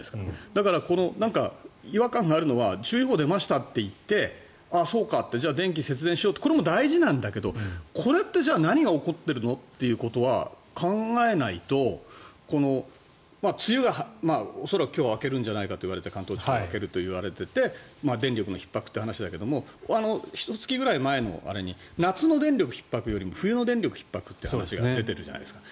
だから、違和感があるのは注意報が出ましたっていってあ、そうかってじゃあ電気を節電しようってこれも大事なんだけどこれって何が起こってるのってことは考えないと梅雨が恐らく今日明けるんじゃないかと言われていて関東地方は明けるといわれていて電力のひっ迫という話だけどひと月ぐらい前に夏の電力より冬の電力ひっ迫という話が出てるじゃないですか。